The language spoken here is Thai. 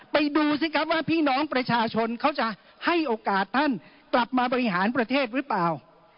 ดูสิครับว่าพี่น้องประชาชนเขาจะให้โอกาสท่านกลับมาบริหารประเทศหรือเปล่า